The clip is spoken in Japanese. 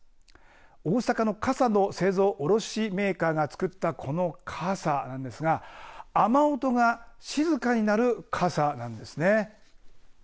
大阪の傘の製造卸メーカーが作ったこの傘なんですが雨音が静かになる傘なんですね。